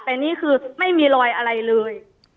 แต่นี่คือไม่มีรอยอะไรเลย